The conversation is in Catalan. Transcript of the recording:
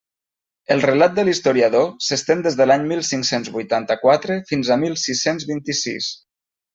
El relat de l'historiador s'estén des de l'any mil cinc-cents vuitanta-quatre fins a mil sis-cents vint-i-sis.